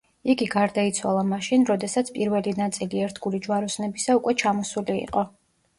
იგი გარდაიცვალა მაშინ, როდესაც პირველი ნაწილი ერთგული ჯვაროსნებისა უკვე ჩამოსული იყო.